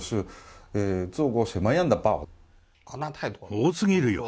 多すぎるよ。